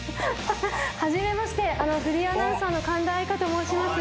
はじめましてフリーアナウンサーの神田愛花と申します。